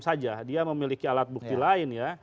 saja dia memiliki alat bukti lain ya